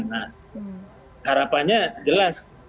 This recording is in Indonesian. nah harapannya jelas